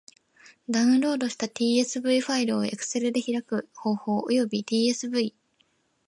ダウンロードした tsv ファイルを Excel で開く方法及び tsv ...